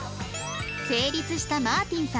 成立したマーティンさん